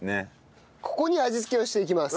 ここに味付けをしていきます。